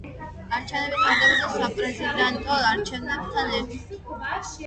არჩევნები ტარდებოდა საპრეზიდენტო არჩევნებთან ერთად.